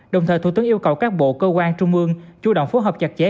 đồng thời thủ tướng yêu cầu các bộ cơ quan trung ương chủ động phối hợp chặt chẽ